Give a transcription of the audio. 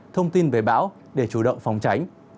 thông tin về bão để chủ động phòng tránh